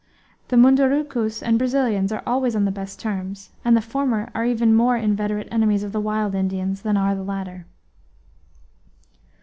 The Mundurucus and Brazilians are always on the best terms, and the former are even more inveterate enemies of the wild Indians than are the latter.